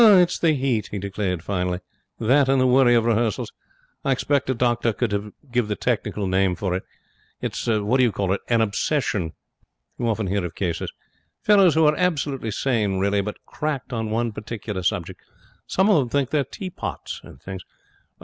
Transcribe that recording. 'It's the heat,' he declared, finally. 'That and the worry of rehearsals. I expect a doctor could give the technical name for it. It's a what do you call it an obsession. You often hear of cases. Fellows who are absolutely sane really, but cracked on one particular subject. Some of them think they're teapots and things.